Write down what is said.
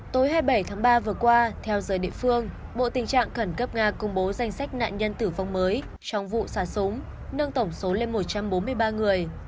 tối hai mươi bảy tháng ba vừa qua theo giờ địa phương bộ tình trạng khẩn cấp nga công bố danh sách nạn nhân tử vong mới trong vụ xả súng nâng tổng số lên một trăm bốn mươi ba người